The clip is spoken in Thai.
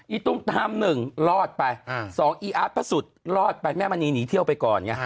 อีตุมตาม๑รอดไป๒อีอาตสุดรอดไปแม่มันนี่หนีเที่ยวไปก่อน